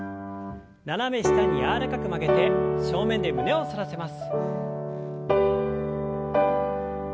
斜め下に柔らかく曲げて正面で胸を反らせます。